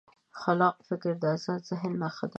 خلاق فکر د ازاد ذهن نښه ده.